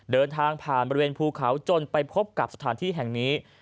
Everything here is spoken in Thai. เดินทางผ่านบริเวณภูเขาจนไปพบกับสถานที่แห่งนี้